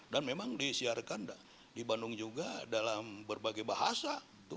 dan memang disiarkan di bandung juga dalam berbagai bahasa